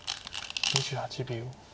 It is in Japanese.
２８秒。